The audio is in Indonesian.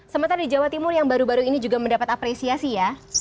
sementara di jawa timur yang baru baru ini juga mendapat apresiasi ya